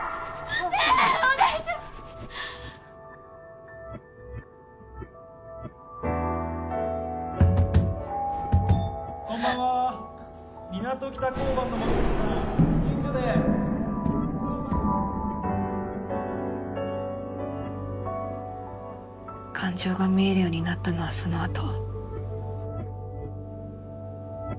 現在感情が見えるようになったのはその後。